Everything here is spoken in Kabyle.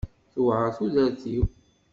Tewɛeṛ tudert-iw.